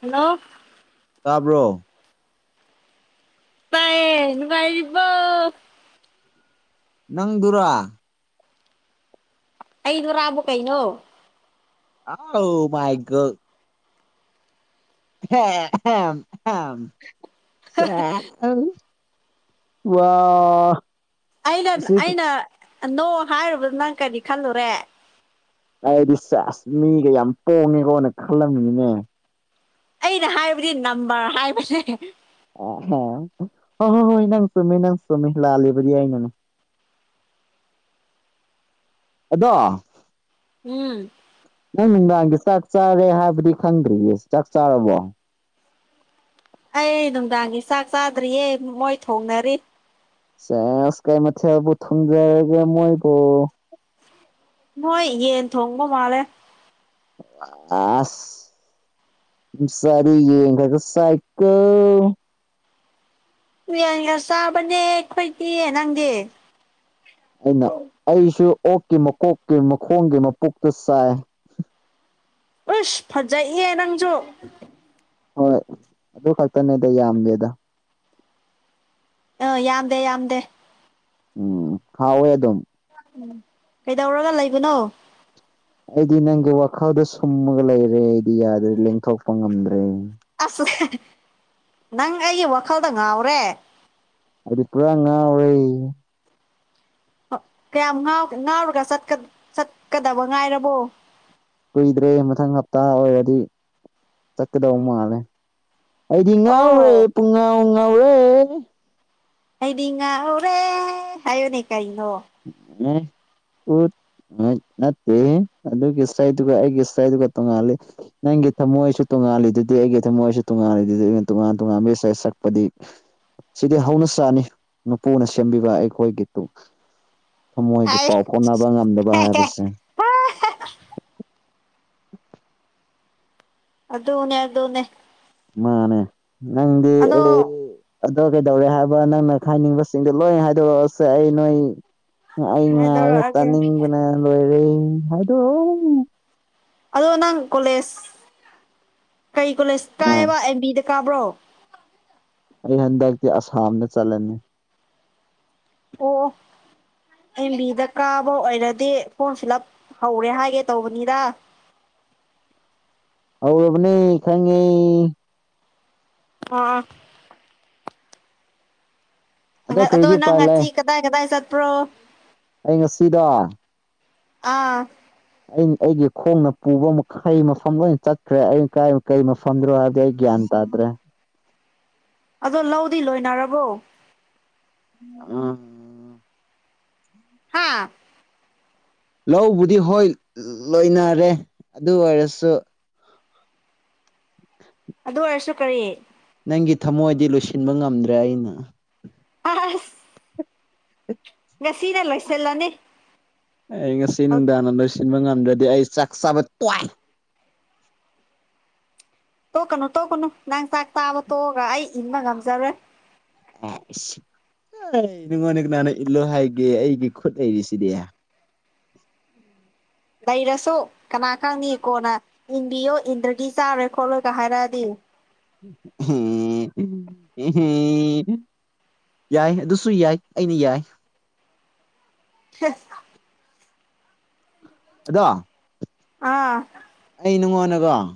Hello ꯇꯥꯕ꯭ꯔꯣ ꯇꯥꯌꯦ ꯅꯨꯡꯉꯥꯏꯔꯤꯕꯣ ꯅꯪꯗꯨꯔꯥ ꯑꯩꯗꯨꯔꯥꯕꯣ ꯀꯩꯅꯣ ꯑꯥꯎ ꯃꯥꯏ ꯒꯣ [unintelligible] ꯋꯥ ꯑꯩꯅ ꯑꯁꯤ ꯑꯩꯅ ꯅꯣ ꯍꯥꯏꯔꯨꯕꯗ ꯅꯪ ꯀꯔꯤ ꯈꯜꯂꯨꯔꯦ ꯑꯩꯗꯤ ꯆꯁ ꯃꯤꯒ ꯌꯥꯝ ꯄꯣꯡꯉꯦꯀꯣꯅ ꯈꯜꯂꯝꯃꯤꯅꯤꯅꯦ ꯑꯩꯅ ꯍꯥꯏꯕꯗꯤ ꯅꯝꯕꯔ ꯍꯥꯏꯕꯅꯦ ꯑꯥ ꯍꯥ ꯍꯣꯏ ꯍꯣꯏ ꯍꯣꯏ ꯅꯪ ꯆꯨꯝꯃꯤ ꯅꯪ ꯆꯨꯝꯃꯤ ꯂꯥꯜꯂꯤꯕꯗꯤ ꯑꯩꯅꯅꯦ ꯑꯗꯣ ꯎꯝ ꯅꯪ ꯅꯨꯡꯗꯥꯡꯒꯤ ꯆꯥꯛ ꯆꯥꯔꯦ ꯍꯥꯏꯕꯗꯤ ꯈꯪꯗ꯭ꯔꯤꯌꯦ ꯆꯥꯛ ꯆꯥꯔꯕꯣ ꯑꯩ ꯅꯨꯡꯗꯥꯡꯒꯤ ꯆꯥꯛ ꯆꯥꯗ꯭ꯔꯤꯌꯦ ꯃꯣꯏ ꯊꯣꯡꯅꯔꯤ ꯁꯦꯁ ꯀꯩ ꯃꯊꯦꯜꯕꯨ ꯊꯨꯝꯖꯔꯒꯦ ꯃꯣꯏꯕꯣ ꯃꯣꯏ ꯌꯦꯟ ꯊꯣꯡꯕ ꯃꯥꯂꯦ ꯑꯁ ꯃꯤꯆꯥꯗꯤ ꯌꯦꯡꯒꯥꯒ ꯆꯥꯏꯀꯣ ꯎꯌꯥꯟꯒ ꯆꯥꯕꯅꯦ ꯑꯩꯈꯣꯏꯗꯤ ꯅꯪꯗꯤ ꯑꯩꯅ ꯑꯩꯁꯨ ꯑꯣꯛꯀꯤ ꯃꯀꯣꯛꯀꯤ ꯃꯈꯣꯡꯒꯤ ꯃꯀꯣꯛꯇꯣ ꯆꯥꯏ ꯎꯁ ꯐꯖꯩꯌꯦ ꯅꯪꯖꯨ ꯍꯣꯏ ꯑꯗꯨ ꯈꯛꯇꯅꯦꯗ ꯌꯥꯝꯗꯦꯗ ꯑꯥ ꯌꯥꯝꯗꯦ ꯌꯥꯝꯗꯦ ꯎꯝ ꯍꯥꯎꯋꯦ ꯑꯗꯨꯝ ꯀꯩꯗꯧꯔꯒ ꯂꯩꯕꯅꯣ ꯑꯩꯗꯤ ꯅꯪꯒꯤ ꯋꯥꯈꯥꯜꯗ ꯁꯨꯝꯃꯒ ꯂꯩꯔꯦ ꯑꯩꯗꯤ ꯌꯥꯗ꯭ꯔꯦ ꯂꯦꯡꯊꯣꯛꯄ ꯉꯝꯗ꯭ꯔꯦ ꯑꯁ ꯅꯪ ꯑꯩꯒꯤ ꯋꯥꯈꯜꯗ ꯉꯥꯎꯔꯦ ꯑꯩꯗꯤ ꯄꯨꯔꯥ ꯉꯥꯎꯔꯦ ꯀꯌꯥꯝ ꯉꯥꯎ ꯉꯥꯎꯔꯒ ꯆꯠꯀꯥ ꯆꯠꯀꯗꯕ ꯉꯥꯏꯔꯕꯣ ꯀꯨꯏꯗ꯭ꯔꯦ ꯃꯊꯪ ꯍꯞꯇꯥ ꯑꯣꯏꯔꯗꯤ ꯆꯠꯀꯗꯧ ꯃꯥꯜꯂꯦ ꯑꯩꯗꯤ ꯉꯥꯎꯔꯦ ꯑꯣ ꯄꯨꯡ ꯉꯥꯎ ꯉꯥꯎꯔꯦ ꯑꯩꯗꯤ ꯉꯥꯎꯔꯦ ꯍꯥꯏꯌꯨꯅꯦ ꯀꯩꯅꯣ ꯑ ꯎ [unintelligible] ꯍꫭꯏꯠ ꯅꯠꯇꯦ ꯑꯗꯨꯒꯤ ꯏꯁꯩꯗꯨꯒ ꯑꯩꯒꯤ ꯏꯁꯩꯗꯨꯒ ꯇꯣꯡꯉꯥꯜꯂꯤ ꯅꯪꯒꯤ ꯊꯝꯃꯣꯏꯁꯨ ꯇꯣꯉꯥꯜꯂꯤꯗꯨꯗꯤ ꯑꯩꯒꯤ ꯊꯝꯃꯣꯏꯁꯨ ꯇꯣꯉꯥꯜꯂꯤꯗꯨꯗꯤ ꯑꯩꯅ ꯇꯣꯉꯥꯟ ꯇꯣꯉꯥꯟꯕ ꯏꯁꯩ ꯁꯛꯄꯗꯤ ꯁꯤꯗꯤ ꯍꯧꯅ ꯁꯥꯅꯤ ꯃꯄꯨꯅ ꯁꯦꯝꯕꯤꯕ ꯑꯩꯈꯣꯏꯒꯤꯗꯨ ꯊꯃꯣꯏꯒꯤ ꯑꯩ ꯄꯥꯎ ꯐꯥꯎꯅꯕ ꯉꯝꯗꯕ ꯍꯥꯏꯕꯁꯦ ꯑꯗꯨꯅꯦ ꯑꯗꯨꯅꯦ ꯃꯥꯅꯦ ꯅꯪꯗꯤ ꯑꯗꯣ ꯑꯩ ꯑꯗꯣ ꯀꯩꯗꯧꯔꯦ ꯍꯥꯏꯕ ꯅꯪꯅ ꯈꯪꯅꯤꯡꯕꯁꯤꯡꯗꯨ ꯂꯣꯏ ꯍꯥꯏꯗꯣꯔꯛꯑꯁꯦ ꯑꯩ ꯅꯣꯏ ꯑꯩ ꯉꯥꯏꫪ‌‌ꯦ ꯍꯥꯏꯗꯣꯔꯛꯑꯒꯦ ꯇꯥꯅꯤꯡꯕꯅ ꯂꯣꯏꯔꯦ ꯍꯥꯏꯗꯣꯏꯔꫭ ꯑꯗꯣ ꯅꯪ ꯀꯣꯂꯦꯖ ꯀꯩ ꯀꯣꯂꯦꯖꯇꯥ ꯑꯥ ꯀꯥꯏꯌ‌ꯦꯕ ꯑꯦꯝ ꯕꯤꯗ ꯀꯥꯕ꯭ꯔꯣ ꯑꯩ ꯍꯟꯗꯛꯇꯤ ꯑꯁꯥꯝꯗ ꯆꯠꯂꯅꯤ ꯑꯣ ꯑꯦꯝ ꯕꯤꯗ ꯀꯥꯕ ꯑꯣꯏꯔꯗꯤ ꯐꯣꯔꯝ ꯐꯤꯜ ꯑꯞ ꯍꯧꯔꯦ ꯍꯥꯏꯒꯦ ꯇꯧꯕꯅꯤꯗ ꯍꯧꯔꯕꯅꯦ ꯈꯪꯉꯤ ꯍꯥ ꯑꯗꯣ ꯀꯔꯤꯗꯤ ꯅꯪ ꯎꯄꯥꯏ ꯂꯩ ꯉꯁꯤ ꯀꯗꯥꯏ ꯀꯗꯥꯏ ꯆꯠꯄ꯭ꯔꯣ ꯑꯩ ꯉꯁꯤꯗꫭ ꯑꯥ ꯑꯩ ꯑꯩꯒꯤ ꯈꯣꯡꯅ ꯄꯨꯕꯥ ꯃꯈꯩ ꯃꯐꯝ ꯂꯣꯏ ꯆꯠꯈ꯭ꯔꯦ ꯑꯩ ꯀꯥꯏ ꯀꯔꯤ ꯃꯐꯝꯗꯅꫭ ꯍꯥꯏꯕꯗꯤ ꯑꯩ ꯒ꯭ꯌꯥꯟ ꯇꯥꯗ꯭ꯔꯦ ꯑꯗꯣ ꯂꯧꯗꯤ ꯂꯣꯏꯅꯔꯕꯣ ꯑꯥ ꯍꯥꯥ ꯂꯧꯕꯨꯗꯤ ꯍꯣꯏ ꯂꯣꯏꯅꯔꯦ ꯑꯗꯨ ꯑꯣꯏꯔꯁꯨ ꯑꯗꯨ ꯑꯣꯏꯔꯁꯨ ꯀꯔꯤ ꯅꯪꯒꯤ ꯊꯃꯣꯏꯗꯤ ꯂꯣꯏꯁꯤꯟꯕ ꯉꯝꯗ꯭ꯔꯦ ꯑꯩꯅ ꯑꯁ ꯉꯁꯤꯅ ꯂꯣꯏꯁꯤꯜꯂꯅꯤ ꯑꯩ ꯉꯁꯤ ꯅꯨꯡꯗꯥꯡꯅ ꯂꯣꯏꯁꯤꯟꯕ ꯉꯝꯗ꯭ꯔꯗꯤ ꯑꯩ ꯆꯥꯛ ꯆꯥꯕ ꯇꯣꯛ ꯑꯦ ꯇꯣꯛꯀꯅꯨ ꯇꯣꯛꯀꯅꯨ ꯅꯪ ꯆꯥꯛ ꯆꯥꯕ ꯇꯣꯛꯑꯒ ꯑꯩ ꯏꯟꯕ ꯉꯝꯖꯔꯣꯏ ꯅꯪꯉꯣꯟꯗꯥ ꯀꯅꯅꯥ ꯏꯜꯂꯣ ꯍꯥꯏꯒꯦ ꯑꯩꯒꯤ ꯈꯨꯠ ꯂꯩꯔꯤꯁꯤꯗꯤ ꯂꯩꯔꯁꯨ ꯀꯅꯥ ꯈꯪꯅꯤ ꯀꯣꯅ ꯏꯟꯕꯤꯌꯣ ꯏꯟꯗ꯭ꯔꯗꯤ ꯆꯥꯔꯣꯏ ꯈꯣꯠꯂꯣꯏꯒ ꯍꯥꯏꯔꯛꯑꯗꯤ ꯎꯝ [unintelligible] ꯌꯥꯏ ꯑꯗꯨꯁꯨ ꯌꯥꯏ ꯑꯩꯅ ꯌꯥꯏ ꯍ [unintelligible] ꯑꯗꯣ ꯑꯥ ꯑꯩ ꯅꯪꯉꯣꯟꯗꯀꫭ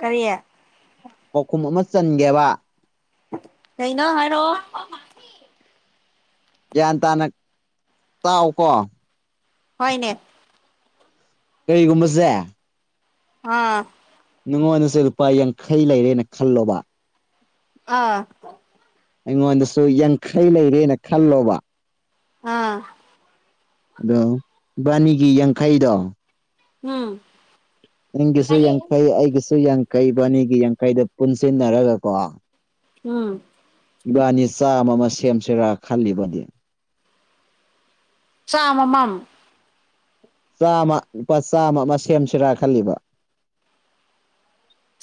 ꯀꯔꯤ ꯄꯥꯎꯈꯨꯝ ꯑꯃ ꯆꯟꯒꯦꯕ ꯀꯩꯅꫭ ꯍꯥꯏꯔꯛꯑꫭ ꯒꯤꯌꯥꯟ ꯇꯥꯅ ꯇꯥꯎ ꯀꯣ ꯍꯣꯏꯅꯦ ꯀꯔꯤꯒꯨꯝꯕꯖꯦ ꯑꯥ ꯅꯉꯣꯟꯗꯁꯨ ꯂꯨꯄꯥ ꯌꯥꯡꯈꯩ ꯂꯩꯔꯦꯅ ꯈꯜꯂꯣꯕ ꯑꯥ ꯑꯩꯉꯣꯟꯗꯁꯨ ꯌꯥꯡꯈꯩ ꯂꯩꯔꯦꯅ ꯈꯜꯂꯣꯕ ꯑꯥ ꯑꯗꯣ ꯏꯕꯥꯅꯤꯒꯤ ꯌꯥꯡꯈꯩꯗꯣ ꯎꯝ ꯅꯪꯒꯤꯁꯨ ꯌꯥꯡꯈꯩ ꯑꯩꯒꯤꯁꯨ ꯌꯥꯡꯈꯩ ꯏꯕꯥꯅꯤꯒꯤ ꯌꯥꯡꯈꯩꯗꯣ ꯄꯨꯟꯁꯤꯟꯅꯔꯒ ꯀꯣ ꯎꯝ ꯏꯕꯥꯅꯤ ꯆꯥꯝꯃ ꯑꯃ ꯁꯦꯝꯁꯦꯔꯥ ꯈꯜꯂꯤꯕꯗꯤ ꯆꯥꯃꯃꯝ ꯆꯥꯝꯃ ꯂꯨꯄꯥ ꯆꯥꯝꯃ ꯑꯃ ꯁꯦꯝꯁꯤꯔꯥ ꯈꯜꯂꯤꯕ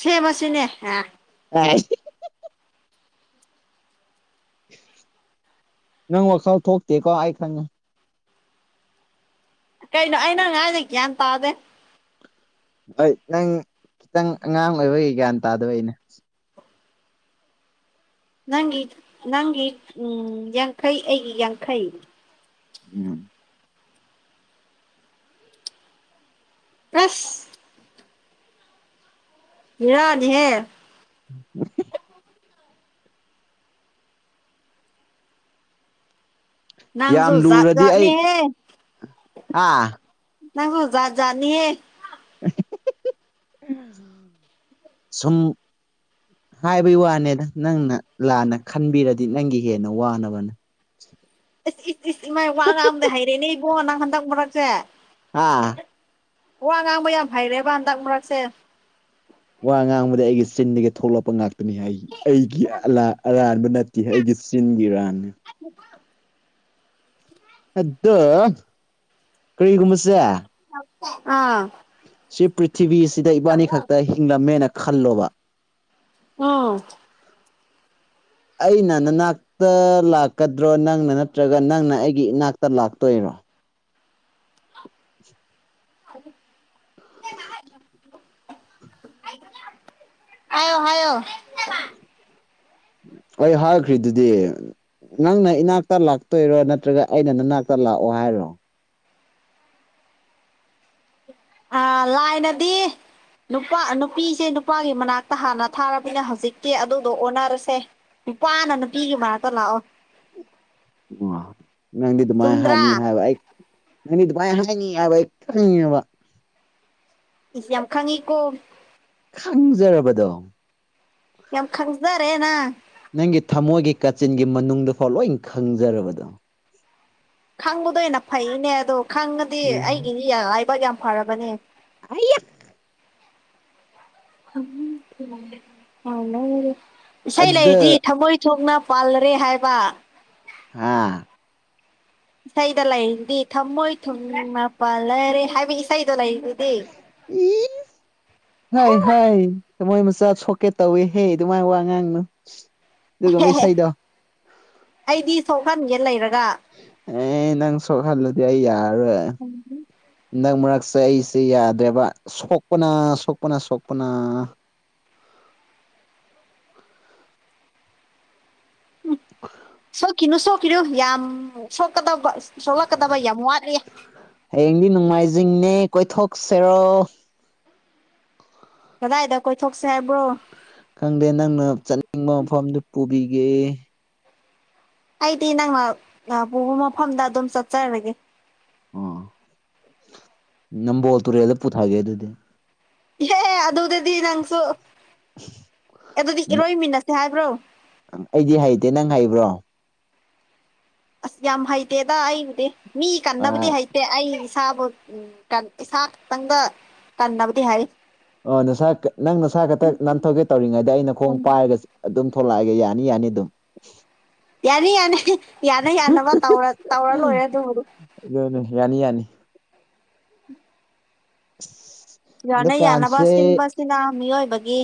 ꯁꯦꯝꯃꯁꯤꯅꯦ ꯍꯦ [unintelligible] ꯅꯪ ꯋꯥꯈꯜ ꯊꯣꯛꯇꯦꯀꯣ ꯑꯩ ꯈꯪꯉꯦ ꯀꯩꯅꯣ ꯑꯩ ꯅꯪ ꯉꯥꯡꯗꯤ ꯒꯌ꯭ꯥꯟ ꯇꯥꯗꯦ ꯍꯣꯏ ꯅꯪ ꯅꯪ ꯑꯉꯥꯡ ꯑꯣꯏꯕꯒꯤ ꯒ꯭ꯌꯥꯟ ꯇꯥꯗꯕꯩꯅꯦ ꯅꯪꯒꯤ ꯅꯪꯒꯤ ꯎꯝ ꯌꯥꯡꯈꯩ ꯑꯩꯒꯤ ꯌꯥꯡꯈꯩ ꯎꯝ ꯑꯁ ꯕꯤꯔꯥꯅꯤꯍꯦ [inaudible] ꯅꯪꯁꯨ ꯌꯥꯝ ꯖꯥꯠ ꯂꯨꯔꯗꯤ ꯑꯩ ꯖꯥꯠꯅꯤꯍꯦ ꯑꯥ ꯅꯪꯁꯨ ꯖꯥꯠ ꯖꯥꯠꯅꯤꯍꯦ ꯁꯨꯝ ꯍꯥꯏꯕꯩ ꯋꯥꯅꯦꯗ ꯅꯪꯅ ꯂꯥꯟꯅ ꯈꯟꯕꯤꯔꯗꯤ ꯅꯪꯒꯤ ꯍꯦꯟꯅ ꯋꯥꯅꯕꯅꯦ ꯑꯁ ꯏꯁ ꯏꯁ ꯏꯃꯥꯏ ꯋꯥ ꯉꯥꯡꯕꯗ ꯍꯩꯔꯦꯅꯦ ꯏꯕꯨꯡꯉꯣ ꯅꯪ ꯍꯟꯗꯛ ꯃꯔꯛꯁꯦ ꯍꯥ ꯋꯥ ꯉꯥꯡꯕ ꯌꯥꯝ ꯍꯩꯔꯦꯕ ꯍꯟꯇꯛ ꯃꯔꯛꯁꯦ ꯋꯥ ꯉꯥꯡꯕꯗꯤ ꯑꯩꯒꯤ ꯆꯤꯟꯗꯒꯤ ꯊꯣꯛꯂꯛꯄ ꯉꯥꯛꯇꯅꯤꯍꯩ ꯑꯩꯒꯤ ꯑꯂꯥ ꯑꯔꯥꯟꯕ ꯅꯠ ꯇꯦ ꯑꯩꯒꯤ ꯆꯤꯟꯒꯤ ꯏꯔꯥꯟꯅꯤ [inaudible] ꯑꯗꯣ ꯀꯔꯤꯒꯨꯝꯕꯁꯦ ꯑꯥ ꯁꯤ ꯄ꯭ꯔꯤꯊꯤꯕꯤꯁꯤꯗ ꯏꯕꯥꯅꯤ ꯈꯛꯇ ꯍꯤꯡꯂꯝꯃꯦꯅ ꯈꯜꯂꯣꯕ ꯎꯝ ꯑꯩꯅ ꯅꯅꯥꯛ ꯇ ꯂꯥꯛꯀꯗ꯭ꯔꯣ ꯅꯪꯅ ꯅꯠꯇ꯭ꯔꯒ ꯅꯪꯅ ꯑꯩꯒꯤ ꯏꯅꯥꯛꯇ ꯂꯥꯛꯇꯣꯏꯔꯣ [inaudible] [inaudible] ꯍꯥꯏꯌꯣ ꯍꯥꯏꯌꯣ ꯑꯩ ꯍꯥꯏꯈ꯭ꯔꯤ ꯗꯨꯗꯤ ꯅꯪꯅ ꯏꯅꯥꯛꯇ ꯂꯥꯛꯇꯣꯏꯔꯣ ꯅꯠꯇ꯭ꯔꯒ ꯑꯩꯅ ꯅꯅꯥꯛꯇ ꯂꯥꯛꯑꯣ ꯍꯥꯏꯔꯣ ꯑꯥ ꯂꯥꯏꯅꯗꯤ ꯅꯨꯄꯥ ꯅꯨꯄꯤꯁꯦ ꯅꯨꯄꯥꯒꯤ ꯃꯅꯥꯛꯇ ꯍꯥꯟꯅ ꯊꯥꯔꯕꯃꯤꯅ ꯍꯧꯖꯤꯛꯇꯤ ꯑꯗꯨꯗꯣ ꯑꯣꯟꯅꯔꯁꯦ꯫ ꯅꯨꯄꯥꯅ ꯅꯨꯄꯤꯒꯤ ꯃꯥꯅꯛꯇ ꯂꯥꯛꯑꯣ꯫ ꯅꯪꯗꯤ ꯑꯗꯨꯃꯥꯏꯅ ꯆꯨꯝꯗ꯭ꯔꯥ ꯍꯥꯏꯅꯤ ꯍꯥꯏꯕ ꯑꯩ ꯅꯗꯤ ꯗꯨꯃꯥꯏ ꯍꯥꯏꯅꯤ ꯍꯥꯏꯕ ꯑꯩ ꯈꯪꯉꯦꯕ꯫ ꯏꯁ ꯌꯥꯝ ꯈꯪꯉꯤꯀꯣ꯫ ꯈꯪꯖꯔꯕꯗꯣ꯫ ꯌꯥꯝ ꯈꯪꯖꯔꯦꯅꯥ꯫ ꯅꯪꯒꯤ ꯊꯃꯣꯏꯒꯤ ꯀꯥꯆꯤꯟꯒꯤ ꯃꯅꯨꯡꯗꯐꯥꯎ ꯂꯣꯏ ꯈꯪꯖꯔꯕꯗꯣ꯫ ꯈꯪꯕꯗꯣ ꯍꯦꯟꯅ ꯐꯩꯅꯦ ꯑꯗꯣ ꯈꯪꯉꯗꯤ ꯎꯝ ꯑꯩꯒꯤꯗꯤ ꯂꯥꯏꯕꯥꯛ ꯌꯥꯝ ꯐꯔꯕꯅꯦ꯫ [unintelligible] ꯏꯁꯩ ꯂꯩꯔꯗꯤ ꯑꯗ ꯊꯃꯣꯏ ꯊꯣꯛꯅ ꯄꯥꯜꯂꯔꯦ ꯍꯥꯏꯕ꯫ ꯍꯥꯥ ꯏꯁꯩꯗ ꯂꯩꯔꯤꯗꯨꯗꯤ ꯊꯝꯃꯣꯏ ꯊꯨꯝꯅ ꯃꯄꯜꯂꯔꯦ ꯍꯥꯏꯕ ꯏꯁꯩꯗꯣ ꯂꯩꯔꯤꯁꯤꯗꯤ꯫ [unintelligible] ꯍꯥꯏ ꯍꯥꯏ ꯃꯣꯏ ꯃꯆꯥ ꯁꯣꯛꯀꯦ ꯇꯧꯋꯦ ꯍꯦ ꯑꯗꯨꯃꯥꯏꯅ ꯋꯥ ꯉꯥꯡꯅꯨ꯫ ꯑꯗꯨꯒꯨꯝꯕ ꯏꯁꯩꯗꯣ ꯑꯩꯗꯤ ꯁꯣꯛꯍꯟꯒꯦ ꯂꯩꯔꯒ꯫ ꯑꯦ ꯅꯪ ꯁꯣꯛ ꯍꯜꯂꯗꯤ ꯑꯩ ꯌꯥꯔꯔꯣꯏ꯫ [unintelligible] ꯍꯟꯗꯛ ꯃꯔꯛꯁꯦ ꯑꯩꯁꯦ ꯌꯥꯗ꯭ꯔꯦꯕ ꯁꯣꯛꯄꯅ ꯁꯣꯛꯄꯅ ꯁꯣꯛꯄꯅ꯫ ꯎꯝ ꯁꯣꯛꯈꯤꯅꯨ ꯁꯣꯛꯈꯤꯅꯨ ꯌꯥꯝ ꯁꯣꯛꯀꯗꯕ ꯁꯣꯛꯂꯛꯀꯗꯕ ꯌꯥꯝ ꯋꯥꯠꯂꯤ꯫ ꯍꯌꯦꯡꯗꯤ ꯅꯨꯡꯉꯥꯏꯖꯤꯡꯅꯦ ꯀꯣꯏꯊꯣꯛꯁꯦꯔꯣ? ꯀꯗꯥꯏꯗ ꯀꯣꯏꯊꯣꯛꯁꯦ ꯍꯥꯏꯕ꯭ꯔꯣ? ꯈꯪꯗꯦ ꯅꯪꯅ ꯆꯠꯅꯤꯡꯕ ꯃꯐꯝꯗꯨ ꯄꯨꯕꯤꯒꯦ꯫ ꯑꯩꯗꯤ ꯅꯪꯅ ꯄꯨꯕ ꯃꯐꯝꯗ ꯑꯗꯨꯝ ꯆꯠꯆꯔꯒꯦ꯫ ꯅꯝꯕꯣꯜ ꯇꯨꯔꯦꯜꯗ ꯄꯨꯊꯒꯦ ꯑꯗꯨꯗꯤ꯫ ꯏꯍꯦꯍꯦ ꯑꯗꯨꯗꯗꯤ ꯅꯪꯁꯨ, ꯑꯗꯨꯗꯤ ꯏꯔꯣꯏꯃꯤꯟꯅꯁꯦ ꯍꯥꯏꯕ꯭ꯔꯣ? ꯑꯩꯗꯤ ꯍꯩꯇꯦ, ꯅꯪ ꯍꯩꯕ꯭ꯔꯣ? ꯌꯥꯝ ꯍꯩꯇꯦꯗ ꯑꯩꯕꯨꯗꯤ ꯃꯤ ꯑ ꯀꯟꯅꯕꯗꯤ ꯍꯩꯇꯦ ꯑꯩ ꯏꯁꯥꯕꯨ ꯀꯟ ꯏꯁꯥ ꯈꯇꯪꯒ ꯀꯟꯅꯕꯗꯤ ꯍꯩ꯫ ꯑꯣ ꯅꯁꯥ ꯅꯪ ꯅꯁꯥ ꯈꯛꯇ ꯅꯟ ꯊꯣꯛꯀꯦ ꯇꯧꯔꯤꯉꯩꯗ ꯑꯩꯅ ꯈꯣꯡ ꯄꯥꯏꯔꯒ ꯑꯗꯨꯝ ꯊꯣꯛꯂꯛꯑꯒꯦ ꯌꯥꯅꯤ ꯌꯥꯅꯤ ꯑꯗꯨꯝ꯫ ꯌꯥꯅꯤ ꯌꯥꯅꯤ ꯌꯥꯅ ꯌꯥꯅꯕ ꯇꯧꯔ ꯇꯧꯔ ꯂꯣꯏꯔꯦ ꯑꯗꯨꯕꯨ꯫ ꯑꯗꯨꯅꯦ ꯌꯥꯅꯤ ꯌꯥꯅꯤ꯫ ꯍꯟꯗꯛ ꯀꯥꯟꯁꯦ, ꯗꯨꯅ ꯃꯤꯑꯣꯏꯕꯒꯤ,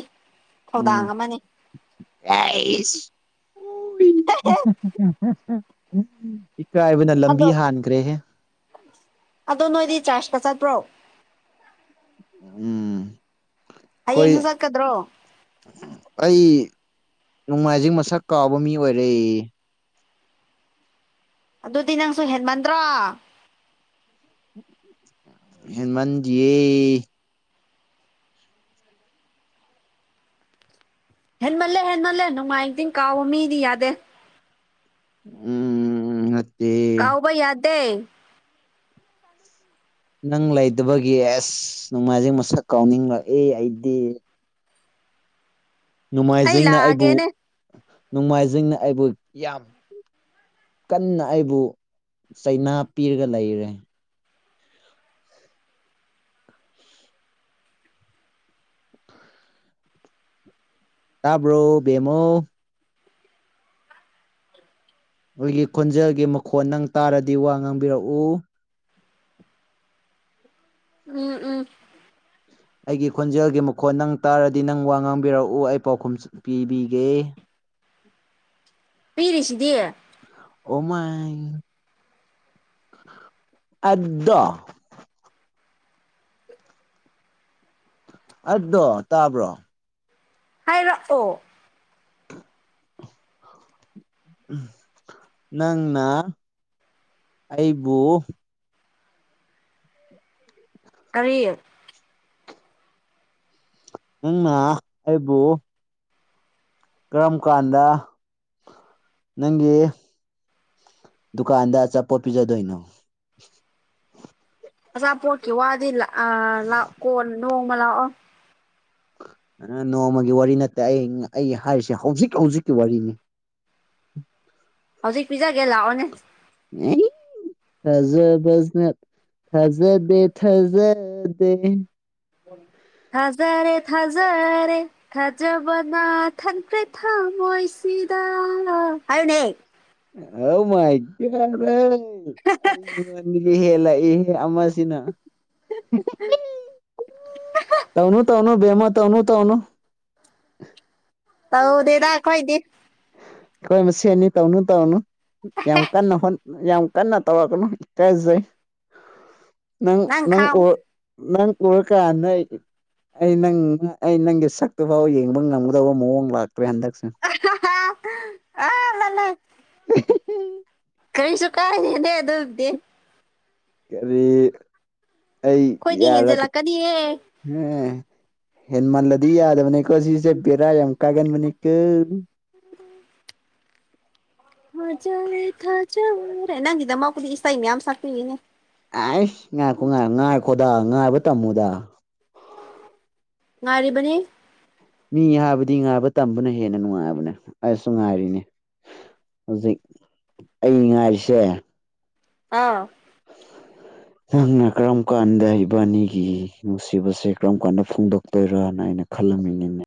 ꯎꯝ ꯊꯧꯗꯥꯡ ꯑꯃꯅꯤ [unintelligible] ꯏꯀꯥꯏꯕꯅ ꯂꯝꯕꯤ ꯑꯗꯣ ꯍꯥꯟꯈ꯭ꯔꯦꯍꯦ꯫ ꯑꯗꯣ ꯅꯣꯏꯗꯤ ꯆꯥꯔꯁꯀ ꯆꯠꯄ꯭ꯔꯣ? ꯎꯝ ꯍꯌꯦꯡꯁꯨ ꯑꯩꯈꯣꯏ ꯆꯠꯀꯗ꯭ꯔꯣ? ꯑꯩ ꯅꯣꯡꯃꯥꯏꯖꯤꯡ ꯃꯁꯛ ꯀꯥꯎꯕ ꯃꯤ ꯑꯣꯏꯔꯦ꯫ ꯑꯗꯨꯗꯤ ꯅꯪꯁꯨ ꯍꯦꯟꯃꯟꯗ꯭ꯔꯣ꯫ [inaudible] ꯍꯦꯟꯃꯥꯟꯗꯤꯌꯦ ꯍꯦꯟꯃꯜꯂꯦ ꯍꯦꯟꯃꯜꯂꯦ ꯅꯣꯡꯃꯥꯏꯖꯤꯡ ꯀꯥꯎꯕ ꯃꯤꯗꯤ ꯌꯥꯗꯦ ꯎꯝ ꯎꯝ ꯅꯠꯇꯦ ꯀꯥꯎꯕ ꯌꯥꯗꯦ ꯅꯪ ꯂꯩꯇꯕꯒꯤ ꯑꯦꯁ ꯅꯣꯡꯃꯥꯏꯖꯤꯡ ꯃꯁꯛ ꯀꯥꯎꯅꯤꯡꯂꯛꯑꯦ ꯑꯩꯗꯤ ꯑꯩ ꯅꯣꯡꯃꯥꯏꯖꯤꯡꯅ ꯑꯩꯕꯨ ꯂꯥꯛꯑꯒꯦꯅꯦ ꯅꯣꯡꯃꯥꯏꯖꯤꯡꯅ ꯑꯩꯕꯨ ꯌꯥꯝ ꯀꯟꯅ ꯑꯩꯕꯨ ꯆꯩꯅꯥ ꯄꯤꯔꯒ ꯂꯩꯔꯦ ꯇꯥꯕ꯭ꯔꯣ ꯕꯦꯃꯣ ꯑꯩꯒꯤ ꯈꯣꯟꯖꯦꯜꯒꯤ ꯃꯈꯣꯟꯠ ꯅꯪ ꯇꯥꯔꯗꯤ ꯋꯥ ꯉꯥꯡꯕꯤꯔꯛꯎ ꯎꯝ ꯎꯝ ꯑꯩꯒꯤ ꯈꯣꯟꯖꯦꯜꯒꯤ ꯃꯈꯣꯟ ꯅꯪ ꯇꯥꯔꯗꯤ ꯅꯪ ꯋꯥ ꯉꯥꯡꯕꯤꯔꯛꯎ ꯑꯩ ꯄꯥꯎꯈꯨꯝ ꯄꯤꯕꯤꯒꯦ ꯄꯤꯔꯤꯁꯤꯗꯤ ꯑꯣꯃꯥꯏ ꯑꯗꯣ ꯑꯗꯣ ꯇꯥꯕ꯭ꯔꯣ ꯍꯥꯏꯔꯛꯑꯣ ꯅꯪꯅ ꯑꯩꯕꯨ ꯀꯔꯤ ꯅꯪꯅ ꯑꯩꯕꯨ ꯀꯔꯝ ꯀꯥꯟꯗ ꯅꯪꯒꯤ ꯗꯨꯀꯥꯟꯗ ꯑꯆꯥꯄꯣꯠ ꯄꯤꯖꯗꯣꯏꯅꯣ ꯑꯆꯥꯄꯣꯠꯀꯤ ꯋꯥꯗꯤ ꯂꯥꯛ ꯑ ꯂꯥꯛꯑꯣ ꯀꯣꯟ ꯅꯣꯡꯃ ꯂꯥꯛꯑꯣ ꯅꯣꯡꯃꯒꯤ ꯋꯥꯔꯤ ꯅꯠꯇꯦ ꯑꯩ ꯑꯩ ꯍꯥꯏꯔꯤꯁꯦ ꯍꯧꯖꯤꯛ ꯍꯧꯖꯤꯛꯀꯤ ꯋꯥꯔꯤꯅꯤ ꯍꯧꯖꯤꯛ ꯄꯤꯖꯥꯒꯦ ꯂꯥꯛꯑꯣꯅꯦ [unintelligible] ꯊꯥꯖꯕꯁꯤꯅ ꯊꯥꯖꯗꯦ ꯊꯥꯖꯗꯦ ꯊꯥꯖꯔꯦ ꯊꯥꯖꯔꯦ ꯊꯥꯖꯕꯅꯥ ꯊꯟꯈ꯭ꯔꯦ ꯊꯃꯣꯏꯁꯤꯗ ꯍꯥꯏꯌꯨꯅꯦ [unintelligible] [unintelligible] ꯍꯦꯜꯂꯛꯏꯍꯦ ꯑꯃꯁꯤꯅ ꯇꯧꯅꯨ ꯇꯧꯅꯨ ꯕꯦꯃ ꯇꯧꯅꯨ ꯇꯧꯅꯨ ꯇꯧꯗꯦꯗ ꯑꯩꯈꯣꯏꯗꯤ ꯑꯩꯈꯣꯏ ꯃꯁꯦꯟꯅꯤ ꯇꯧꯅꯨ ꯇꯧꯅꯨ ꯌꯥꯝ ꯀꯟꯅ ꯍꯣꯠ ꯌꯥꯝ ꯀꯟꯅ ꯇꯧꯔꯛꯒꯅꯣ ꯏꯀꯥꯏꯖꯩ [inaudible] ꯅꯪ ꯅꯪ ꯎ ꯈꯥꯝꯃꯨ ꯅꯪ ꯎꯔꯀꯥꯟꯗ ꯑꯩ ꯅꯪ ꯑꯩ ꯅꯪꯒꯤ ꯁꯛꯇꯨꯐꯥꯎ ꯌꯦꯡꯕ ꯉꯝꯒꯗꯕ ꯃꯑꯣꯡ ꯂꯥꯛꯇ꯭ꯔꯦ ꯍꯟꯗꯛ [unintelligible] [unintelligible] ꯀꯔꯤꯁꯨ ꯀꯥꯏꯗꯦꯅꯦ ꯑꯗꯨꯕꯨꯗꯤ ꯀꯔꯤ ꯑꯩ ꯑꯩꯈꯣꯏꯗꯤ ꯌꯥꯔꯒ ꯍꯦꯟꯖꯜꯂꯛꯀꯅꯤꯍꯦ ꯑꯦ ꯍꯦꯟ ꯃꯜꯂꯗꯤ ꯌꯥꯗꯕꯅꯤꯀꯣ ꯁꯤꯁꯦ ꯕꯦꯔꯥ ꯌꯥꯝ ꯀꯥꯒꯟꯕꯅꯤꯀꯣ [inaudible] [unintelligible] ꯅꯪꯒꯤꯗꯃꯛ ꯄꯨꯗꯤ ꯏꯁꯩ ꯃꯌꯥꯝ ꯁꯛꯄꯤꯒꯦꯅꯦ ꯑꯩꯁ ꯉꯥꯏꯈꯣ ꯉꯥꯏ ꯉꯥꯏꯈꯣꯗ ꯉꯥꯏꯕ ꯇꯝꯃꯨꯗ ꯉꯥꯏꯔꯤꯕꯅꯤ ꯃꯤ ꯍꯥꯏꯕꯗꯤ ꯉꯥꯏꯕ ꯇꯝꯕꯅ ꯍꯦꯟꯅ ꯅꯨꯡꯉꯥꯏꯕꯅꯦ ꯑꯩꯁꯨ ꯉꯥꯏꯔꯤꯅꯤ ꯍꯧꯖꯤꯛ ꯑꯩ ꯉꯥꯏꯔꯤꯁꯦ ꯑꯥ ꯅꯪꯅ ꯀꯔꯝ ꯀꯥꯟꯗ ꯏꯕꯥꯅꯤꯒꯤ ꯅꯨꯡꯁꯤꯕꯁꯦ ꯀꯔꯝ ꯀꯥꯟꯗ ꯐꯣꯡꯗꯣꯛꯇꯣꯏꯔꯅ ꯑꯩꯅ ꯈꯜꯂꯝꯃꯤꯅꯤꯅꯦ